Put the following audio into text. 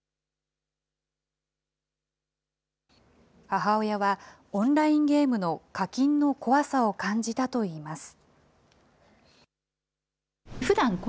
母親はオンラインゲームの課金の怖さを感じたといいます。